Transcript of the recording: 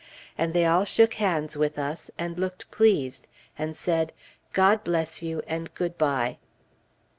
And they all shook hands with us, and looked pleased, and said "God bless you," and "Good bye."